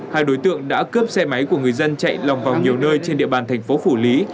hai đối tượng đã cướp xe máy của người dân chạy lòng vòng nhiều nơi trên địa bàn thành phố phủ lý